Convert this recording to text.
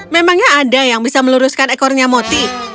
memangnya ada yang bisa meluruskan ekornya moti